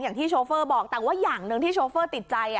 ที่โชเฟอร์บอกแต่ว่าอย่างหนึ่งที่โชเฟอร์ติดใจ